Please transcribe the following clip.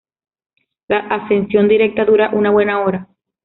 La ascensión directa dura una buena hora.